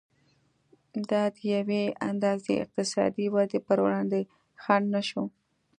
دا د یوې اندازې اقتصادي ودې پر وړاندې خنډ نه شو.